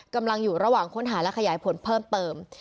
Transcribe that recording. กำลังอยู่ระหว่างค้นหาและขยายผลเพิ่มเติม